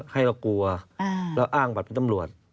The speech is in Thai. ให้เรากลัวเราอ้างบัตรเป็นตำรวจ